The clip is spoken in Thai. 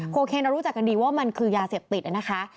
เคนเรารู้จักกันดีว่ามันคือยาเสพติดนะคะ